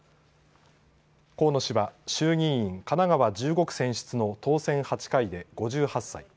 河野氏は衆議院神奈川１５区選出の当選８回で５８歳。